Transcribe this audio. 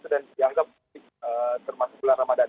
dan dianggap termasuk bulan ramadhan